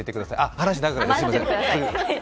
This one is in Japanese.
話長くなってすみません。